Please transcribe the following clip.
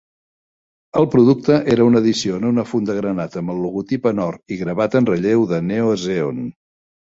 El producte era una edició en una funda granat amb el logotip en or i gravat en relleu de Neo Zeon.